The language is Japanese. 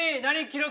記録。